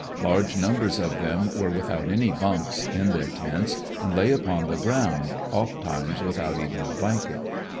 Large numbers of them were without any bunks in their tents, and lay upon the ground, oft times w^ithout even a blanket.